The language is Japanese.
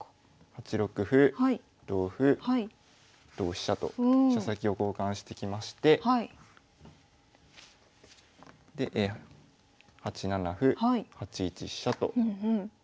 ８六歩同歩同飛車と飛車先を交換してきましてで８七歩８一飛車と進みます。